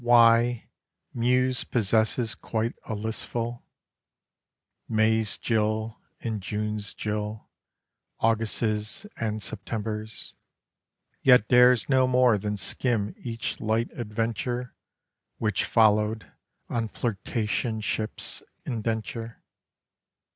Why, Muse possesses quite a list full, May's Jill, and June's Jill, August's, and September's ... Yet dares no more than skim each light adventure Which followed on flirtationship's indenture.